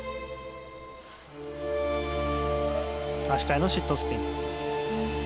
足換えのシットスピン。